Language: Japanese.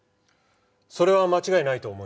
それは間違いないと思います。